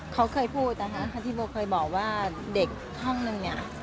เขาเคยพูดนะคะทั้งที่โบเคยบอกว่าเด็กห้องนึงเนี่ย